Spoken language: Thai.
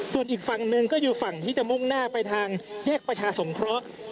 ส่วนอีกฝั่งหนึ่งก็อยู่ฝั่งที่จะมุ่งหน้าไปทางแยกประชาสงเคราะห์